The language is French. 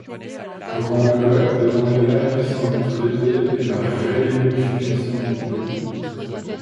Le congrès demandait l'annulation des traités et la réunification du pays.